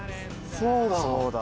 そうだ。